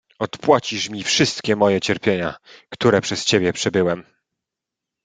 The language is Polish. "Odpłacisz mi wszystkie moje cierpienia, które przez ciebie przebyłem!"